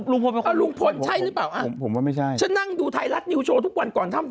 ลุงพลเป็นคนอ่ะลุงพลใช่หรือเปล่าอ่ะฉันนั่งดูไทยรัสนิวโชว์ทุกวันก่อนทำ